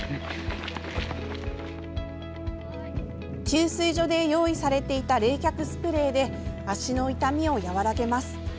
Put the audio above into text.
給水所で用意されていた冷却スプレーで足の痛みを和らげます。